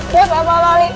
ya ya bapak balik